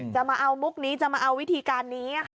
จะมาเอามุกนี้จะมาเอาวิธีการนี้ค่ะ